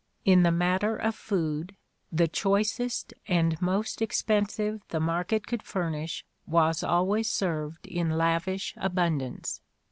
In the matter of food, the choicest and most expensive the market could furnish was always served in lavish abundance.